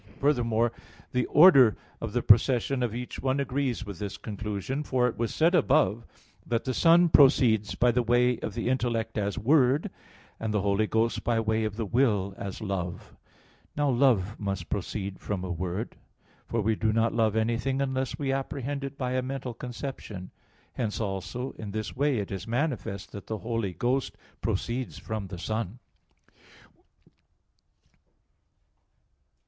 Furthermore, the order of the procession of each one agrees with this conclusion. For it was said above (Q. 27, AA. 2, 4; Q. 28, A. 4), that the Son proceeds by the way of the intellect as Word, and the Holy Ghost by way of the will as Love. Now love must proceed from a word. For we do not love anything unless we apprehend it by a mental conception. Hence also in this way it is manifest that the Holy Ghost proceeds from the Son.